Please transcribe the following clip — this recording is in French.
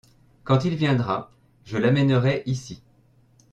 Quand il viendra je l'amènerai ici.